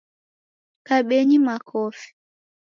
Kabenyi makofi.